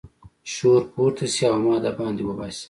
شور پورته شي او ما د باندې وباسي.